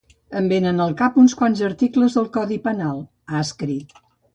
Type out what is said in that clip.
Em venen al cap uns quants articles del codi penal, ha escrit.